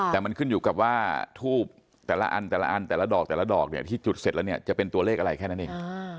แต่มันขึ้นอยู่กับว่าทูบแต่ละอันแต่ละอันแต่ละดอกแต่ละดอกเนี่ยที่จุดเสร็จแล้วเนี่ยจะเป็นตัวเลขอะไรแค่นั้นเอง